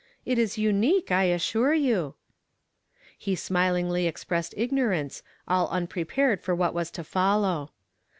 It is unique, I assure you." He smilingly expressed ignorance, all unpre pared for wliat was to follow.